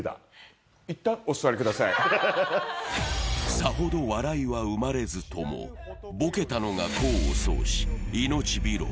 さほど笑いは生まれずともボケたのが功を奏し命拾い。